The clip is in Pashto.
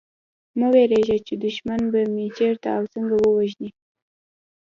مه وېرېږی چي دښمن به مي چېرته او څنګه ووژني